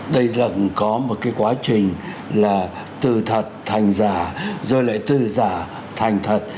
đây là cũng có một cái quá trình là từ thật thành giả rồi lại từ giả thành thật